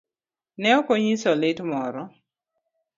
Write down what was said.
Ne okonyiso lit moro.